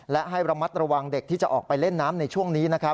และให้ระมัดระวังเด็กที่จะออกไปเล่นน้ำในช่วงนี้นะครับ